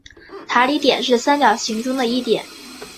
塔里点是三角形中的一点。